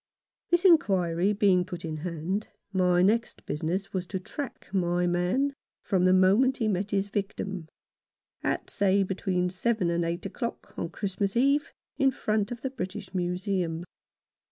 This inquiry being put in hand, my next business was to track my man from the moment he met his victim, at, say between seven and eight o'clock on Christmas Eve, in front of the British Museum.